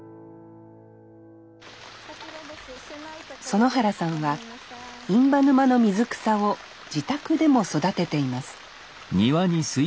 園原さんは印旛沼の水草を自宅でも育てています